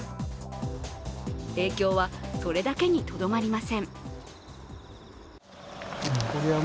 影響はそれだけにとどまりません。